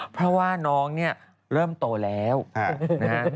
เพราะว่าน้องเนี่ยเริ่มโตแล้วนะฮะ